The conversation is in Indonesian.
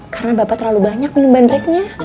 karena bapak terlalu banyak minum bandreknya